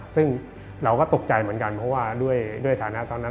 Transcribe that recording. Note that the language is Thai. ซึ่งเราก็ตกใจเหมือนกันเพราะว่าด้วยฐานะตอนนั้น